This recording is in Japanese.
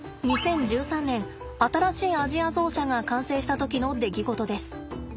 ２０１３年新しいアジアゾウ舎が完成した時の出来事です。